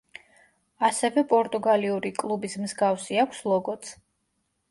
ასევე პორტუგალიური კლუბის მსგავსი აქვს ლოგოც.